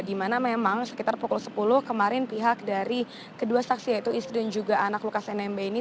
di mana memang sekitar pukul sepuluh kemarin pihak dari kedua saksi yaitu istri dan juga anak lukas nmb ini